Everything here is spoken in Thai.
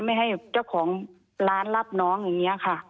ไม่ให้เจ้าของร้านรับน้องอย่างนี้ค่ะ